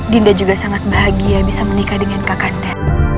dinda juga sangat bahagia bisa menikah dengan kakaknda